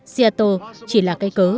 seattle chỉ là cây cớ